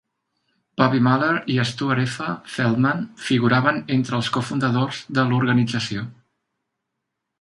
Bobby Muller i Stuart F. Feldman figuraven entre els cofundadors de l'organització.